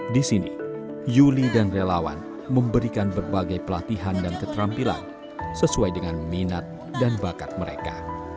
di sini yuli dan relawan memberikan berbagai pelatihan dan keterampilan sesuai dengan minat dan bakat mereka